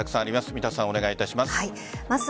三田さん、お願いします。